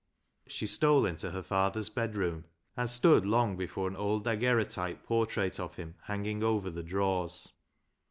She stole into her father's bedroom, and stood long before an old daguerreotype portrait of him hanging over the drawers.